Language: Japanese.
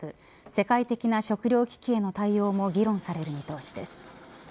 世界的な食糧危機への対応も議論される見通しです。